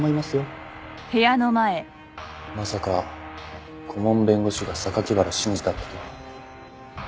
まさか顧問弁護士が原真次だったとは。